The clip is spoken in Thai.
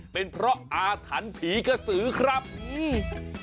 เป็นเพราะอาถรรพ์ผีกระสือครับอืม